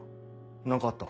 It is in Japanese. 何かあった？